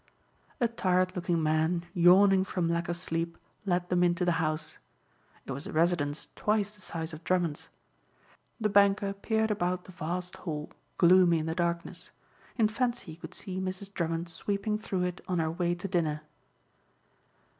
A tired looking man yawning from lack of sleep let them into the house. It was a residence twice the size of Drummond's. The banker peered about the vast hall, gloomy in the darkness. In fancy he could see Mrs. Drummond sweeping through it on her way to dinner.